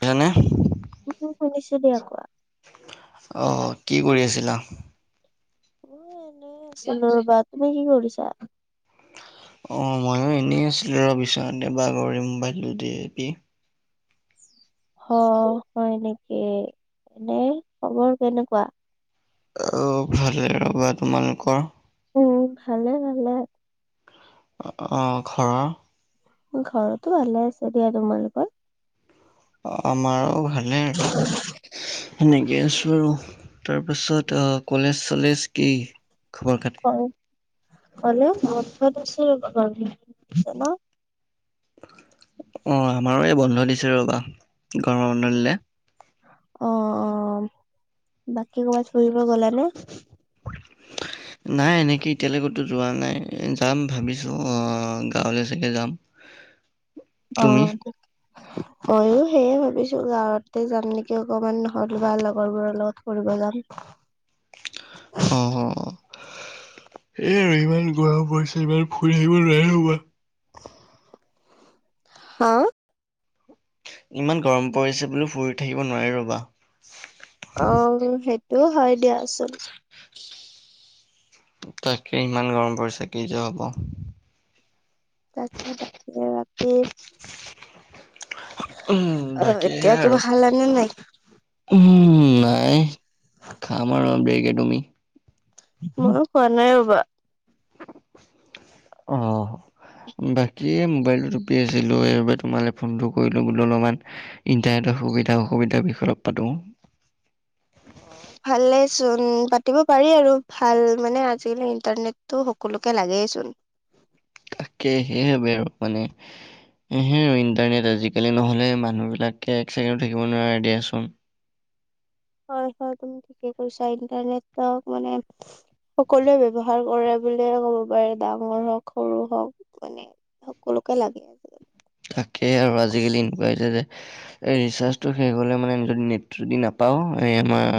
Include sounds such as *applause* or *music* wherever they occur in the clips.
বুজিছানে? শুনিছো দিয়া কোৱা। অঁ কি কৰি আছিলা? এ এনেই আছিলোঁ ৰবা, তুমি কি কৰিছা? অঁ মইয়ো এনেই আছিলো ৰ বিছনাতে বাগৰি মোবাইলটো তিপি। হ হয় নেকি এনেই খবৰ কেনেকুৱা? অ ভালে ৰ'বা, তোমালোকৰ? উম ভালে ভালে। অঁ ঘৰৰ। ঘৰতো ভালে আছে এতিয়া তোমালোকৰ? অঁ আমাৰো ভালেই আৰু। সেনেকে আছো আৰু তাৰ পাছত অ কলেজ চলেজ কি খবৰ খাতি। *unintelligible* অঁ আমাৰো এই বন্ধ দিছে ৰ'বা গৰমৰ বন্ধ দিলে। অঁ অঁ বাকী ক'বাত ফুৰিব গলানে? *inaudible* নাই এনেকে এতিয়ালৈ কতো যোৱা নাই যাম ভাবিছো, অঁ গাঁৱলৈ চাগে যাম। *inaudible* অঁ। *inaudible* ময়ো সেয়ে ভাবিছো গাঁৱতে যাম নেকি অকমান হ'ল বা লগৰবোৰৰ লগত ফুৰিব যাম। অঁহ অঁ এই আৰু ইমান গৰা পৰিছে ইমান ফুৰি আহিব নোৱাৰে ৰবা। হঁ। ইমান গৰম পৰিছে বোলো ফুৰি থাকিব নোৱাৰি ৰ'বা। অ সেইটো হয় দিয়াচোন। তাকে ইমান গৰম পৰিছে কিযে হব? তাকে তাকে বাকী- উম অ বাকী সেয়াই এতিয়া আৰু কিবা খালানে নাই? উম নাই খাম আৰু অলপ দেৰিকে তুমি মইও খোৱা নাই ৰ'বা অ বাকী মোবাই পি আছিলোঁ সেইবাবে তোমালে ফোনটো কৰিলোঁ বোলো অলমান ইণ্টাৰনেটৰ সুবিধা অসুবিধাৰ বিষয়ে অলপ পাতোঁ। *unintelligible* ভালে চোন পাতিব পাৰি আৰু ভাল মানে আজিকালি ইণ্টাৰনেটটো সকলোকে লাগেইচোন। কে সেয়হে বে মানে এ হেয়ে ইণ্টাৰনেট আজিকালি নহ'লে মানুহবিলাকে এক ছেকেণ্ডো থাকিব নোৱাৰে দিয়াচোন হয় হয় তুমি ঠিকে কৰিছা ইণ্টাৰনেটক মানে সকলোৱে ব্যৱহাৰ কৰে বুলিয়ে ক'ব পাৰি ডাঙৰ হওক সৰু হওক মানে সকলোকে লাগে আজিকালি তাকে আৰু আজিকালি এনেকুৱা হৈছে যে এই ৰিচাৰ্জটো শেষ হলে মানে যদি নেটটো যদি নাপাওঁ এই আমাৰ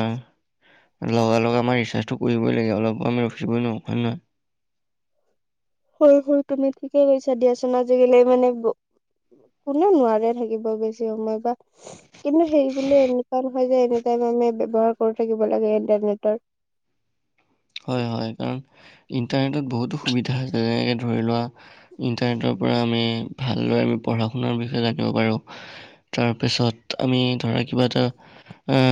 লগা লগা আমাৰ ৰিচাৰ্জটো কৰিবই লাগে অলপ আমি ৰখিবই নোৱাৰো হয়নে নহয় হয় হয় তুমি ঠিকেই কৈছা দিয়াচান আজিকালি মানে বো কোনো নোৱাৰে থাকিব বেছি সময় বা কিন্তু সেই বুলি এনেকুৱা নহয় যে এনি টাইম আমি ব্যৱহাৰ কৰি থাকিব লাগে ইন্টাৰনেটৰ হয় হয় কাৰণ ইণ্টাৰনেটত বহুতো সুবিধা আছে যেনেকে ধৰি লোৱা ইণ্টাৰনেটৰ পৰা আমি ভালদৰে আমি পঢ়া শুনাৰ বিষয়ে জানিব পাৰোঁ। তাৰপিছত আমি ধৰা কিবাটা এ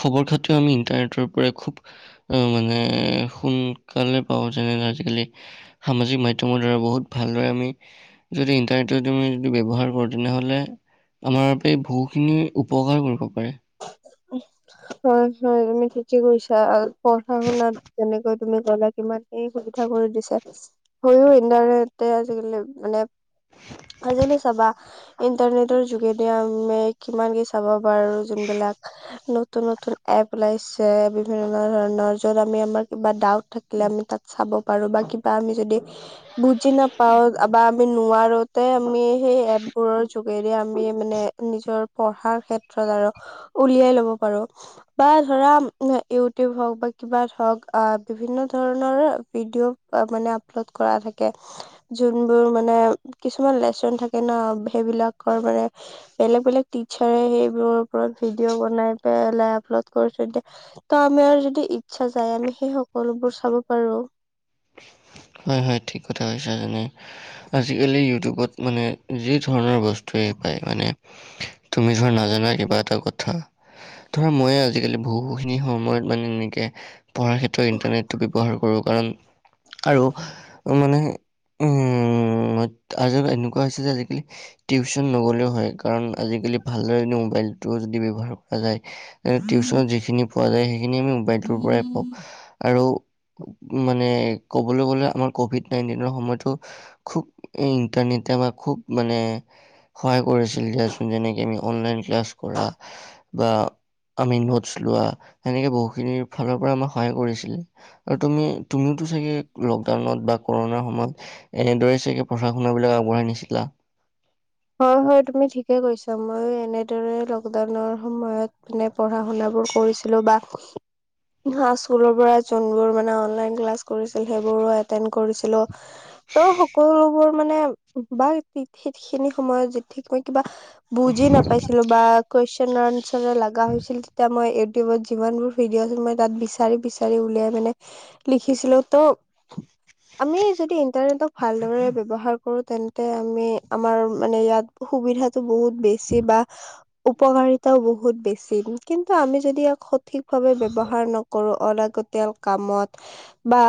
খবৰ খতিৰও আমি ইণ্টাৰনেটৰ পৰাই খুব অ মানে সোনকালে পাওঁ যেনে ধৰা আজিকালি সামাজিক মাধ্যমৰ দ্বাৰা বহুত ভালদৰে আমি যদি ইণ্টাৰনেটৰ তুমি যদি ব্যৱহাৰ কৰ তেনেহ'লে আমাৰ বাবে বহুখিনি উপকাৰ কৰিব পাৰে। হয় হয় তুমি ঠিকেই কৈছা আৰু পঢ়া শুনাত যেনেকৈ তুমি গ'লে কিমান কি সুবিধা কৰি দিছে হেই ইণ্টাৰনেটৰ আজিকালি মানে আজকালি চাবা ইণ্টাৰনেটৰ যোগেদি আমি কিমান কি চাব পাৰোঁ যোনবিলাক নতুন নতুন এপ ওলাইছে বিভিন্ন ধৰণৰ যত আমি আমাৰ কিবা ডাউট থাকিলে আমি তাত চাব পাৰো বা কিবা আমি যদি বুজি নাপাও বা আমি নোৱাৰোতে আমি সেই এপবোৰৰ যোগেদি আমি মানে নিজৰ পঢ়াৰ ক্ষেত্ৰত আৰু উলিয়াই লব পাৰো বা ধৰা ইউটোব হওক বা কিবা হওক আহ বিভিন্ন ধৰণৰে ভিডিঅ' ত মানে আপলোড কৰা থাকে। যোনবোৰ মানে কিছুমান লেচন থাকে ন সেইবিলাকৰ মানে বেলেগ বেলেগ টিচাৰে সেইবোৰৰ ওপৰত ভিডিঅ' বনাই পেলাই আপলোড কৰি থৈ দিয়ে ত আমাৰ যদি ইচ্ছা যায় আমি সেই সকলোবোৰ চাব পাৰো হয় হয় ঠিক কথা কৈছা তুমি আজিকালি ইউটোবত মানে যি ধৰণৰ বস্তুৱেই পায় মানে তুমি ধৰা নাজানা কিবা এটা কথা ধৰা মইয়ে আজিকালি বহুখিনি সময়ত মানে এনেকে পঢ়াৰ ক্ষেত্ৰত ইণ্টাৰনেটটো ব্যৱহাৰ কৰোঁ কাৰণ আৰু মানে উম-ত আজি এনেকুৱা হৈছে যে আজিকালি টিউচন নগ'লেও হয় কাৰণ আজিকালি ভালদৰে যদি মোবাইলটোও যদি ব্যৱহাৰ কৰে টিউনত যিখিনি পোৱা যায় সেইখিনি আমি মোবাইলটোৰ পৰাই পাওঁ আৰু মানে ক'বলৈ গলে আমাৰ কভিড নাইনটিনৰ সময়তো খুব ইণ্টাৰনেটে আমাক খুব মানে সহায় কৰিছিল দিয়াচোন যেনেকে আমি অনলাইন ক্লাছ কৰা বা আমি নোটচ লোৱা সেনেকে বহুতখিনিৰ ফালৰ পৰা আমাক সহায় কৰিছিলে। আৰু তুমি তুমি চাগে লকডাউনত বা কৰুণা সময়ত এনেদৰে চাগে পঢ়া শুনাবিলাক আগবঢ়াই নিছিলা। হয় হয় তুমি ঠিকেই কৈছা মইয়ো এনেদৰে লকডাউনৰ সময়ত মানে পঢ়া শুনা বোৰ কৰিছিলো বা স্কুলৰ পৰা যোনবোৰ মানে অনলাইন ক্লাছ কৰিছিল সেইবোৰো এটেন্ড কৰিছিলো। ত সকলোবোৰ মানে বা *inaudible* খিনি সময়ত যে ঠিক মই কিবা বুজি ন পাইছিলো বা কুৱেশন আনচাৰ লগা হৈছিল তেতিয়া মই ইউটিউবত যিমানবোৰ ভিডিঅ' মই তাত বিচাৰি বিচাৰি উলিয়াই মানে লিখিছিলো তো আমি যদি ইন্টাৰনেটক ভালদৰে ব্যৱহাৰ কৰো তেন্তে আমি আমাৰ মানে ইয়াত সুবিধাটো বহুত বেছি বা উপকাৰিতাও বহুত বেছি কিন্তু আমি যদি ইয়াক সঠিকভাৱে ব্যৱহাৰ ন কৰো অলাগতিয়াল কামত বা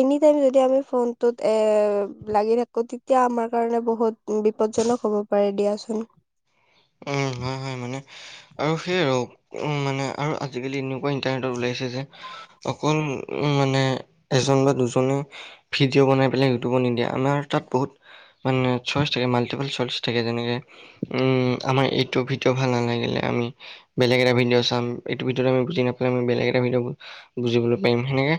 এনিটাইম যদি আমি ফোনটোত এ লাগি থাকো তেতিয়া আমাৰ কাৰণে বহুত বিপদ জনক হ'ব পাৰে দিয়াচোন উম হয় হয় মানে আৰু সেইয়া আৰু মানে আৰু আজিকালি এনেকুৱা ইন্টাৰনেটত ওলাইছে যে। অকল মানে এজন বা দুজনে ভিডিঅ' বনাই পেলাই ইউটিউবত নিদিয়ে আমাৰ তাত বহুত মানে চইচ থাকে মাল্টিপাল চইচ থাকে যেনেকে উম আমাৰ এইটো ভিডিঅ' ভাল নালাগিলে আমি বেলেগ এটা ভিডিঅ' চাম এইটো ভিডিঅ'ত আমি বুজি নাপালে বেলেগ এটা ভিডিঅ' বুজিবলৈ পাৰিম হেনেকে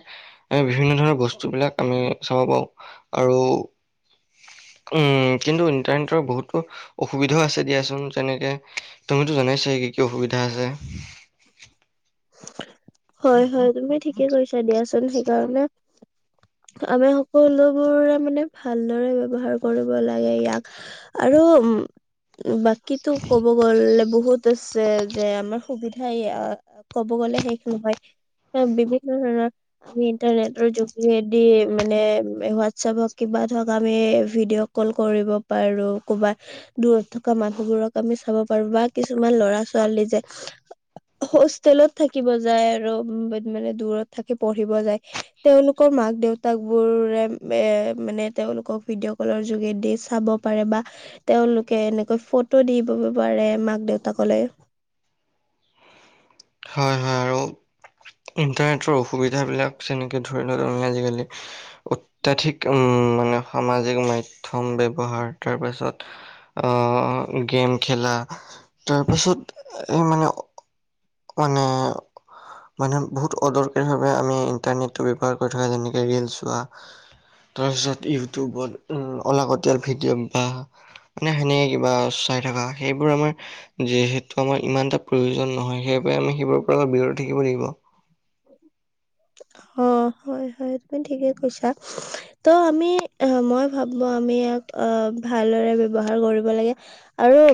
আ বিভিন্ন ধৰণৰ বস্তু বিলাক আমি চাব পাৰো আৰু উম কিন্তু ইণ্টাৰনেটৰ বহুতো অসুবিধাও আছে দিয়াচোন তেনেকে তুমিতো জানাই চাগে কি কি অসুবিধা আছে হয় হয় তুমি ঠিকে কৈছা দিয়াচোন সেইকাৰণে। আমি সকলোবোৰে মানে ভালদৰে ব্যৱহাৰ কৰিব লাগে ইয়াক আৰু উম বাকীতো ক'ব গলে বহুত আছে যে আমাৰ সুবিধা ইয়াত ক'ব গ'লে শেষ নহয় এ বিভিন্ন ধৰণৰ আমি ইণ্টাৰনেটৰ যোগেদি মানে হোৱাটছএপ হক কিবা ধৰক আমি ভিডিঅ' কল কৰিব পাৰো ক'ৰবাত দূৰত থকা মানুহবোৰক আমি চাব পাৰো বা কিছুমান ল'ৰা ছোৱালী যে হোষ্টেলত থাকিব যায় আৰু মানে দূৰত থাকি পঢ়িব যায় তেওঁলোকৰ মাক দেউতাক বোৰে এ মানে তেওঁলোকক ভিডিঅ' কলৰ যোগেদি চাব পাৰে বা তেওঁলোকে এনেকৈ ফটো দিব পাৰে মাক দেউতাকলৈ হয় হয় আৰু ইণ্টাৰনেটৰ অসুবিধাবিলাক যেনেকে ধৰি লোৱা তুমি আজিকালি অত্যাধিক উম মানে সামাজিক মাধ্যম ব্যৱহাৰ তাৰ পাছত অ অ গেম খেলা তাৰপাছত এই মানে মানে মানুহে বহুত অদৰকাৰীভাৱে আমি ইন্টাৰনেটটো ব্যৱহাৰ কৰি থকা যেনেকে ৰিলচ হোৱা তাৰপিছত ইউটিউবত অলাগতীয়াল ভিডিঅ' বা মানে সেনেকে কিবা চাই থকা সেইবোৰ আমাৰ যিহেতু আমাৰ ইমান এটা প্ৰয়োজন নহয় সেইবাবে আমি সেইবোৰৰ পৰা আমি বিৰত থাকিব লাগিব অ হয় হয় তুমি ঠিকে কৈছা ত' আমি মই ভাবো আমি ইয়াক আ ভালদৰে ব্যৱহাৰ কৰিব লাগে আৰু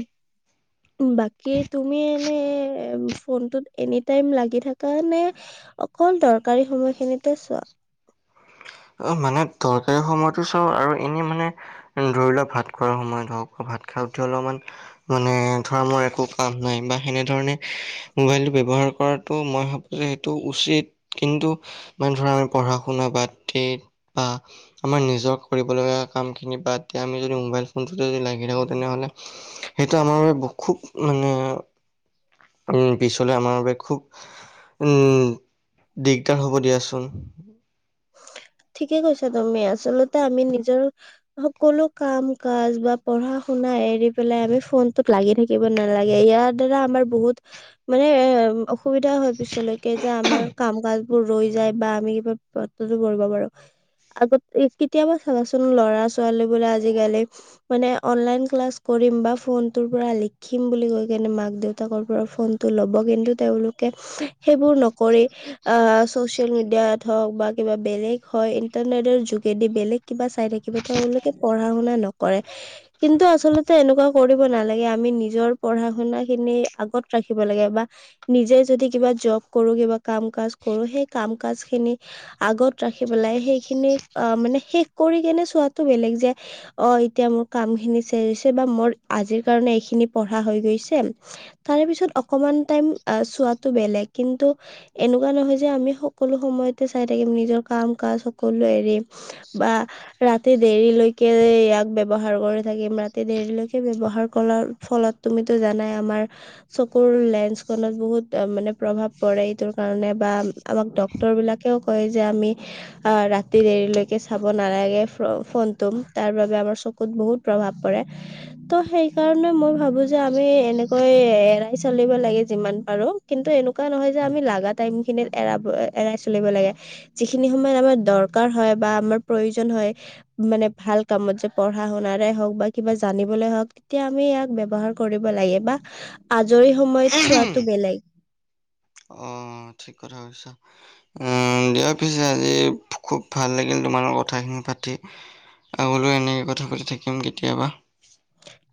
বাকী তুমি এনে ফোনটোত এনি টাইম লাগি থাকা নে অকল দৰকাৰী সময়খিনিতে চোৱা অ মানে দৰকাৰী সময়তো চাও আৰু এনেই মানে ধৰি লোৱা ভাত খোৱাৰ সময়ত হওক ভাত খাই উঠি অলপমান মানে ধৰা মোৰ একো কাম নাই বা সেনেধৰণে মোবাইলটো ব্যৱহাৰ কৰাতো মই ভা সেইটো উচিত কিন্তু মানে ধৰা আমি পঢ়া শুনা বাত বা আমাৰ নিজৰ কৰিবলগীয়া কামখিনি বা তেতিয়া আমি যদি মোবাইল ফোনটো যদি লাগি থাকো তেনেহ'লে সেইটো আমাৰ বাবে খুব মানে উ পিছলে আমাৰ বাবে খুব উম দিগদাৰ হ'ব দিয়াচোন ঠিকে কৈছা তুমি আচলতে আমি নিজৰ সকলো কাম কাজ বা পঢ়া শুনা এৰি পেলাই আমি ফোনটোত লাগি থা থাকিব নালাগে ইয়াৰ দ্বাৰা আমাৰ বহুত মানে এ অসুবিধা হয় পিছলৈকে যে আমাৰ কাম কাজবোৰ ৰৈ যায় বা আমি কিবা পত্টো কৰিব পাৰোঁ আগতে কেতিয়াবা চাবাচোন ল'ৰা ছোৱালী বোলে আজিকালি মানে অনলাইন ক্লাছ কৰিম বা ফোনটোৰ পৰা লিখিম বুলি কৈ কেনে মাক দেউতাকৰ পৰা ফোন টো লব কিন্তু তেওঁলোকে সেইবোৰ নকৰে অ চচিয়েল মিডিয়াত হওক বা কিবা বেলেগ হয় ইন্টাৰনেটৰ যোগেদি বেলেগ কিবা চাই থাকিব তেওঁলোকে পঢ়া শুনা নকৰে কিন্তু আচলতে এনেকুৱা কৰিব নালাগে আমি নিজৰ পঢ়া শুনা খিনি আগত ৰাখিব লাগে বা নিজে যদি কিবা জব কৰো কিবা কাম কাজ কৰো সেই কাম কাজ খিনি আগত ৰাখি পেলাই সেইখিনিক আ মানে শেষ কৰি কেনে চোৱাটো বেলেগ যে অ এতিয়া মোৰ কাম খিনি ছে বা মোৰ আজিৰ কাৰণে এইখিনি পঢ়া হৈ গৈছে তাৰে পিছত অকমান টাইম চোৱাটো বেলেগ কিন্তু এনেকুৱা নহয় যে আমি সকলো সময়তে চাই থাকিম নিজৰ কাম কাজ সকলো এৰিম বা ৰাতি দেৰিলৈকে ইয়াক ব্যৱহাৰ কৰি থাকিম ৰাতি দেৰিলৈকে ব্যৱহাৰ কৰাৰ ফলত তুমিতো জানাই আমাৰ চকুৰ লেন্স খনত বহুত মানে প্ৰভাৱ পৰে এইটোৰ কাৰণে বা আমাক ডক্তৰ বিলাকেও কয় যে আমি আ ৰাতি দেৰিলৈকে চাব নালাগে ফোনটো তাৰ বাবে আমাৰ চ ত বহুত প্ৰভাৱ পৰে ত' সেই কাৰণে মই ভাবো যে আমি এনেকৈ এৰাই চলিব লাগে যিমান পাৰো কিন্তু এনেকুৱা নহয় যে আমি লাগা টাইম খিনিত এৰাব এৰাই চলিব লাগে যিখিনি সময়ত আমাৰ দৰকাৰ হয় বা আমাৰ প্ৰয়োজন হয় মানে ভাল কামত যে পঢ়া শুনাৰে হওক বা কিবা জানিবলে হওঁক তেতিয়া আমি ইয়াক ব্যৱহাৰ কৰিব লাগে বা আজৰি সময়ত চোৱাটো বেলেগ অ ঠিক কথা ভাবিছা। উম দিয়া পিছে আজি খুব ভাল লাগিল তোমাৰ লগত কথাখিনি পাতি। আগলৈও এনেকৈ কথা পাতি থাকিম কেতিয়াবা।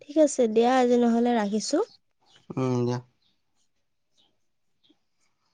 ঠিক আছে দিয়া আজি নহ'লে ৰাখিছোঁ। উম দিয়া।